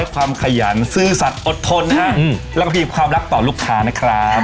ความขยันซื่อสัตว์อดทนนะฮะแล้วก็มีความรักต่อลูกค้านะครับ